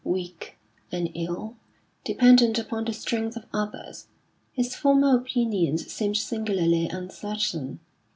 Weak and ill, dependent upon the strength of others, his former opinions seemed singularly uncertain.